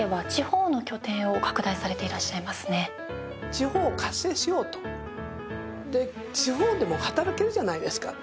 地方を活性しようとで地方でも働けるじゃないですかと。